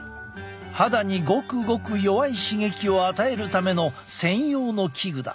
肌にごくごく弱い刺激を与えるための専用の器具だ。